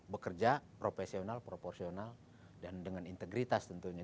bekerja profesional proporsional dan dengan integritas tentunya